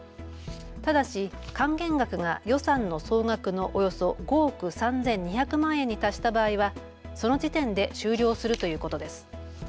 ただし還元額が予算の総額のおよそ５億３２００万円に達した場合はその時点で終了するということです。